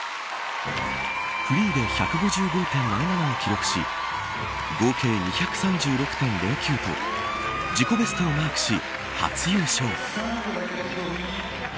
フリーで１５５．７７を記録し合計２３６．０９と自己ベストをマークし初優勝。